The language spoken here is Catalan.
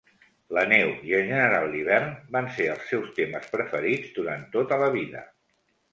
La neu i, en general, l'hivern, van ser els seus temes preferits durant tota la vida.